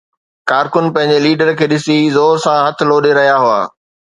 ڪارڪن پنهنجي ليڊر کي ڏسي زور سان هٿ لوڏي رهيا هئا.